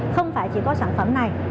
không phải chỉ có sản phẩm này